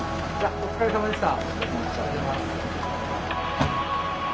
お疲れさまでした。